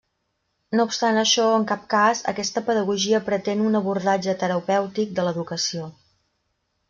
No obstant això, en cap cas, aquesta pedagogia pretén un abordatge terapèutic de l'educació.